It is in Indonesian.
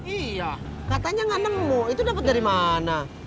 iya katanya nggak nemu itu dapat dari mana